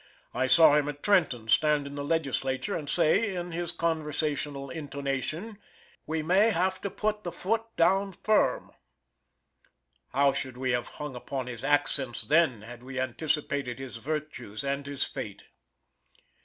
I saw him at Trenton stand in the Legislature, and say, in his conversational intonation: "We may have to put the foot down firm." How should we have hung upon his accents then had we anticipated his virtues and his fate.